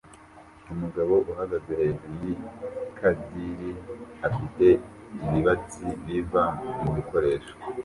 Umugabo uhagaze hejuru yikadiri afite ibibatsi biva mubikoresho